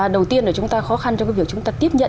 đầu tiên là chúng ta khó khăn trong cái việc chúng ta tiếp nhận